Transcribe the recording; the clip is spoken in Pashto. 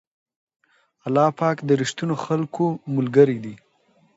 الله پاک د رښتينو خلکو ملګری دی.